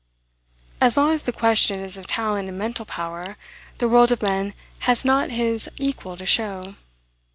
As long as the question is of talent and mental power, the world of men has not his equal to show.